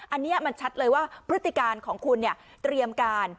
อันนี้มันชัดเลยว่าพฤติการของคุณเนี่ยเตรียมการ